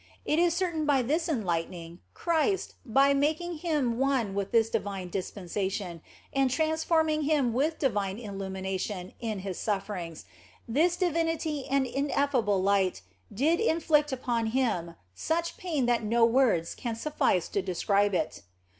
It is certain that by this enlightening, Christ, by making Him one with this divine dispensation, and transforming Him with divine illumination in His sufferings, this divinity and ineffable light did inflict upon Him such pain that no words can suffice to describe it.